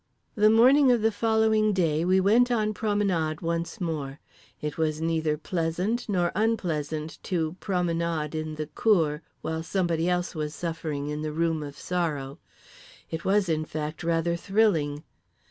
The morning of the following day we went on promenade once more. It was neither pleasant nor unpleasant to promenade in the cour while somebody else was suffering in the Room of Sorrow. It was, in fact, rather thrilling.